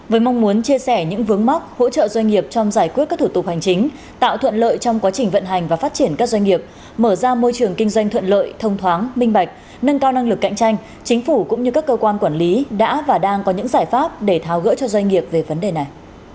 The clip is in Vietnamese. với mong muốn chia sẻ những vướng mắc hỗ trợ doanh nghiệp trong giải quyết các thủ tục hành chính tạo thuận lợi trong quá trình vận hành và phát triển các doanh nghiệp mở ra môi trường kinh doanh thuận lợi thông thoáng minh bạch nâng cao năng lực cạnh tranh chính phủ cũng như các cơ quan quản lý đã và đang có những giải pháp để tháo gỡ cho doanh nghiệp về vấn đề này